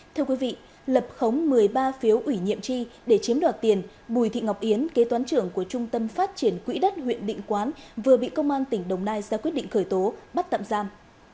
thưa quý vị lập khống một mươi ba phiếu ủy nhiệm tri để chiếm đoạt tiền bùi thị ngọc yến kế toán trưởng của trung tâm phát triển quỹ đất huyện định quán vừa bị công an tỉnh đồng nai ra quyết định khởi tố bắt tạm giam